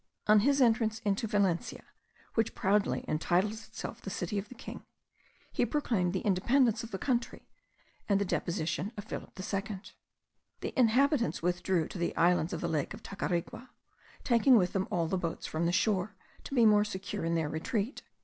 On his entrance into Valencia, which proudly entitles itself the City of the King, he proclaimed the independence of country, and the deposition of Philip II. The inhabitants withdrew to the islands of the lake of Tacarigua, taking with them all the boats from the shore, to be more secure in their retreat.